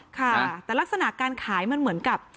ค่ะแต่ลักษณะการขายมันเหมือนกับ